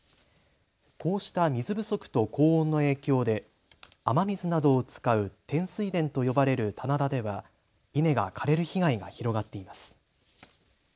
こうした水不足と高温の影響で雨水などを使う天水田と呼ばれる棚田では稲が枯れる被害が広がっています。